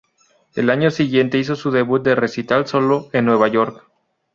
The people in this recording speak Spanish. El año siguiente hizo su debut de recital solo en Nueva York.